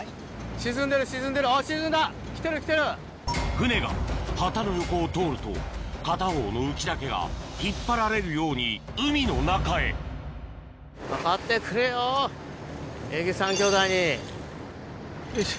船が旗の横を通ると片方の浮きだけが引っ張られるように海の中へよいしょ。